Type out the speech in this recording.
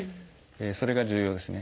それが重要ですね。